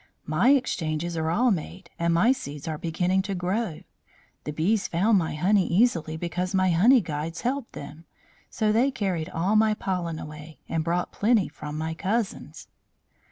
"My exchanges are all made, and my seeds are beginning to grow. The bees found my honey easily, because my honey guides helped them; so they carried all my pollen away, and brought plenty from my cousins."